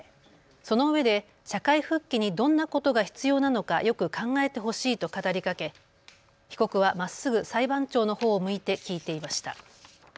そのうえで社会復帰にどんなことが必要なのかよく考えてほしいと語りかけ被告はまっすぐ裁判長のほうを向いて聞いていました。